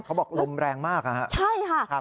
เขาบอกลมแรงมากค่ะฮะอ์ใช่ค่ะ